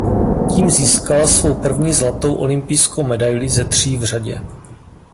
Tím získala svou první zlatou olympijskou medaili ze tří v řadě.